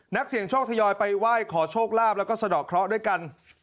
นักเสี่ยงโชคทยอยไปไหว้ขอโชคลาภแล้วก็สะดอกเคราะห์ด้วยกัน